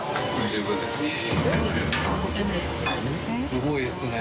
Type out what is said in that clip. すごいですね。